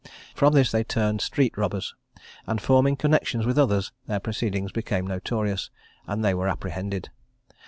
From this they turned street robbers; and forming connexions with others, their proceedings became notorious, and they were apprehended.